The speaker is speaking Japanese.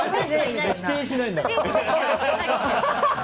否定しないんだから。